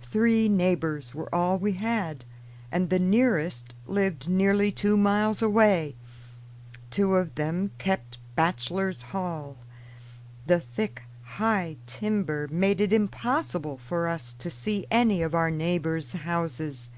Three neighbors were all we had, and the nearest lived nearly two miles away. Two of them kept bachelor's hall. The thick, high timber made it impossible for us to see any of our neighbors' houses.